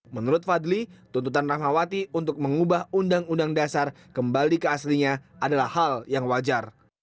menurut fadli tuntutan rahmawati untuk mengubah undang undang dasar kembali ke aslinya adalah hal yang wajar